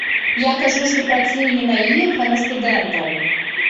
Я кажу, што працую не на іх, а на студэнтаў.